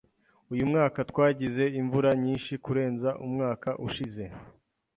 Uyu mwaka twagize imvura nyinshi kurenza umwaka ushize. .